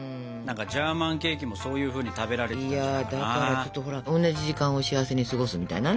ちょっとほら同じ時間を幸せに過ごすみたいなね。